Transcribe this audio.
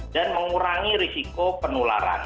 dan mengurangi risiko penularan